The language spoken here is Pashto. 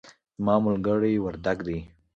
زما ملګری وردګ دی